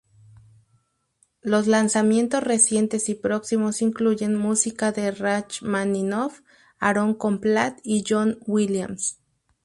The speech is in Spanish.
Los lanzamientos recientes y próximos incluyen música de Rachmaninoff, Aaron Copland y John Williams.